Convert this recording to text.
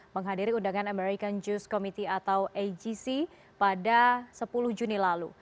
menghadiri undangan american news committee atau agc pada sepuluh juni lalu